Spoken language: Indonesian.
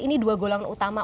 ini dua golongan utama